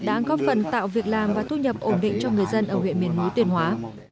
đã góp phần tạo việc làm và thu nhập ổn định cho người dân ở huyện miền núi tuyên hóa